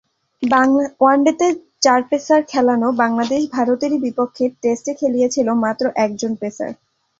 ওয়ানডেতে চার পেসার খেলানো বাংলাদেশ ভারতেরই বিপক্ষে টেস্টে খেলিয়েছিল একজন মাত্র পেসার।